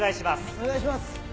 お願いします。